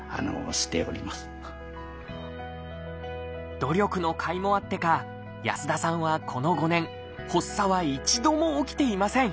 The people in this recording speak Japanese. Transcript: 努力のかいもあってか安田さんはこの５年発作は一度も起きていません。